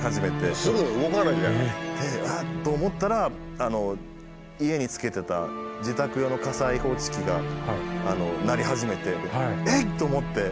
あっ！と思ったら家につけてた自宅用の火災報知器が鳴り始めてえっ？と思って。